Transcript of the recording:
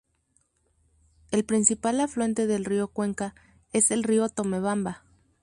El principal afluente del río Cuenca, es el río Tomebamba.